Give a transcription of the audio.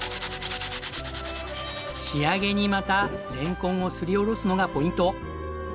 仕上げにまたれんこんをすりおろすのがポイント。